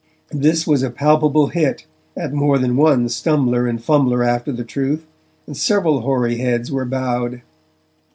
This was a palpable hit at more than one stumbler and fumbler after the truth, and several hoary heads were bowed.